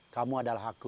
kamu adalah aku